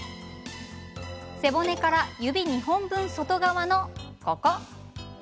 背骨から指２本分外側の、ここ。